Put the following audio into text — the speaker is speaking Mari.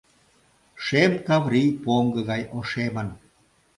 Шем Каврий поҥго гай ошемын.